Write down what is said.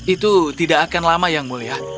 itu tidak akan lama yang mulia